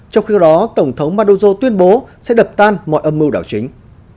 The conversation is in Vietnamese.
trong khi đó tổng thống maduzo tuyên bố sẽ đập tan mọi âm mưu đảo chính